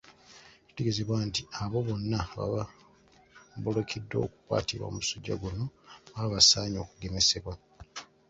Kitegeezebwa nti abo bonna ababa boolekedde okukwatibwa omusujja guno baba basaanye okugemesebwa